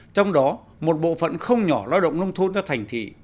trong đó một bộ phận không nhỏ lao động nông thôn ra thành thị